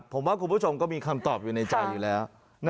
ผมว่าคุณผู้ชมก็มีคำตอบอยู่ในใจอยู่แล้ว